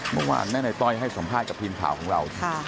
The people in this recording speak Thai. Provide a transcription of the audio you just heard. เมื่อวานแม่นายต้อยให้สัมภาษณ์กับทีมข่าวของเรา